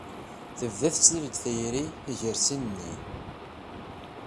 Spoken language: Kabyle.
Tebda tettlal-d tayri gar sin-nni.